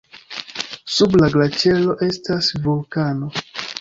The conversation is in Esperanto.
Sub la glaĉero estas vulkano.